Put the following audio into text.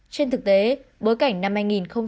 trên thực tế bối cảnh năm hai nghìn hai mươi bốn